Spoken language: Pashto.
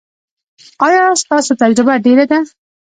ایا ستاسو تجربه ډیره ده؟